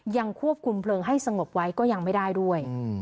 ยังควบคุมเพลิงให้สงบไว้ก็ยังไม่ได้ด้วย